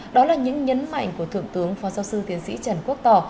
đó là những nhấn mạnh của thượng tướng phó giáo sư tiến sĩ trần quốc tỏ